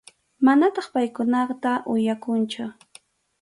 Manataq paykunata uyakunchu.